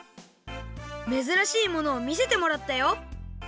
めずらしいものをみせてもらったよ